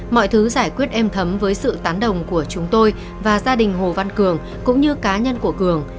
mọi thứ giải quyết êm thấm với sự tán đồng của chúng tôi và gia đình hồ văn cường cũng như cá nhân của cường